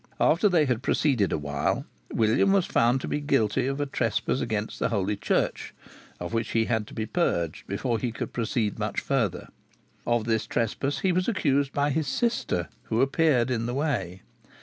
After they had proceeded a while, William was found to be guilty of a trespass against Holy Church, of which he had to be purged before he could proceed much further. Of this trespass he was accused by his sister, who appeared in the way.